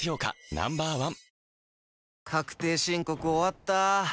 Ｎｏ．１確定申告終わった。